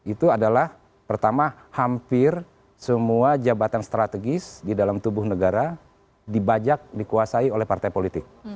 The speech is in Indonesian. itu adalah pertama hampir semua jabatan strategis di dalam tubuh negara dibajak dikuasai oleh partai politik